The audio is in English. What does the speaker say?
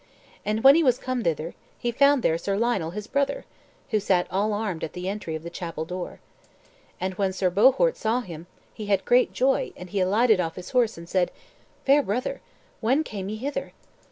And when he was come hither, he found there Sir Lionel his brother, who sat all armed at the entry of the chapel door. And when Sir Bohort saw him, he had great joy, and he alighted off his horse, and said. "Fair brother, when came ye hither?"